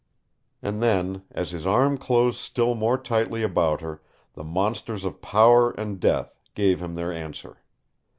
And then, as his arm closed still more tightly about her, the monsters of power and death gave him their answer.